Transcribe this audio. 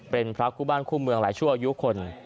เป็นพระคู่บ้านคู่เมืองหลายชั่วอายุคน